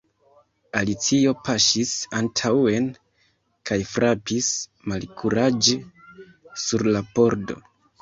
Alicio paŝis antaŭen kaj frapis malkuraĝe sur la pordo.